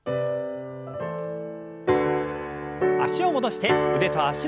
脚を戻して腕と脚の運動。